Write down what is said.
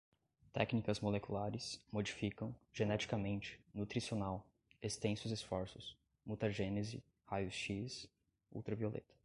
técnicas moleculares, modificam, geneticamente, nutricional, extensos esforços, mutagênese, raios X, ultravioleta